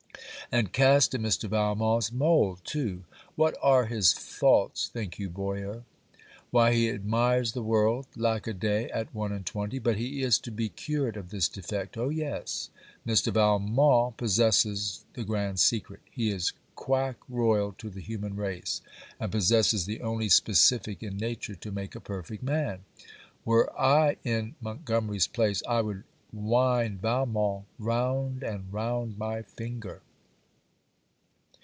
And cast in Mr. Valmont's mould too! What are his faults, think you, Boyer? Why, he admires the world. Lack a day! at one and twenty! But he is to be cured of this defect. Oh, yes; Mr. Valmont possesses the grand secret! He is quack royal to the human race; and possesses the only specific in nature to make a perfect man. Were I in Montgomery's place, I would wind Valmont round and round my finger.